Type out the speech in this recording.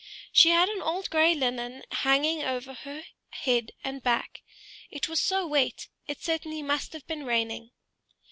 She had an old grey linen apron hanging over her head and back: it was so wet, it certainly must have been raining.